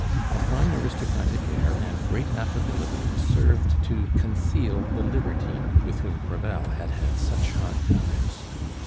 A fine aristocratic air and great affability served to conceal the libertine with whom Crevel had had such high times.